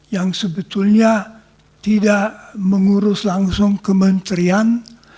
yang sebetulnya tidak mengurus langsung kementerian